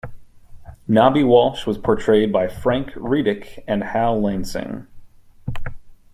Knobby Walsh was portrayed by Frank Readick and Hal Lansing.